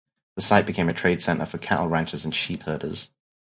The site became a trade center for cattle ranchers and sheepherders.